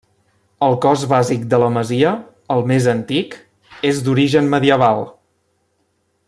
El cos bàsic de la masia, el més antic, és d'origen medieval.